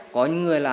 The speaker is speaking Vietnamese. có những người là